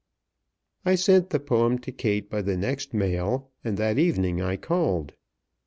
I sent the poem to Kate by the next mail, and that evening I called.